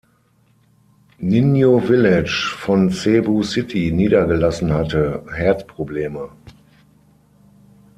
Niño Village von Cebu City niedergelassen hatte, Herzprobleme.